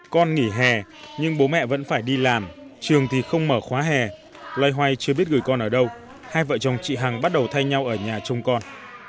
con nghỉ hè nhưng bố mẹ vẫn phải đi làm trường thì không mở khóa hè loay hoay chưa biết gửi con ở đâu hai vợ chồng chị hằng bắt đầu thay nhau ở nhà chung con